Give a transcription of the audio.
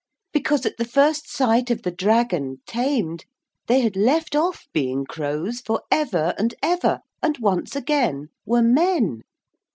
Because at the first sight of the dragon, tamed, they had left off being crows for ever and ever, and once again were men.